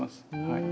はい。